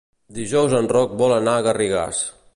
Dijous en Roc vol anar a Garrigàs.